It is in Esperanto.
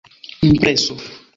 impreso